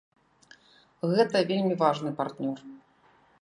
Гэта вельмі важны партнёр.